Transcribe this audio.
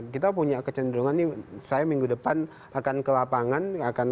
kita punya kecenderungan nih saya minggu depan akan ke lapangan